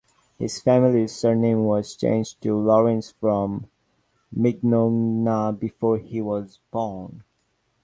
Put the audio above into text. His family's surname was changed to Lawrence from Mignogna before he was born.